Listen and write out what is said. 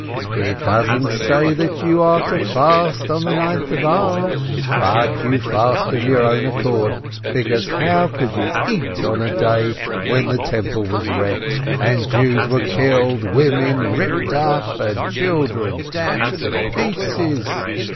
"It doesn't say that you are to fast on the Ninth of Ab, but you fast of your own accord, because how could you eat on the day when the Temple was wrecked, and Jews were killed, women ripped up, and children dashed to pieces?